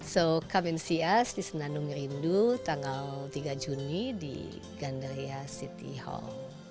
so come and see us di senandung rindu tanggal tiga juni di gandaria city hall